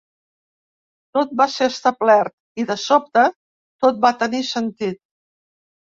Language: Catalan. Tot va ser establert i, de sobte, tot va tenir sentit.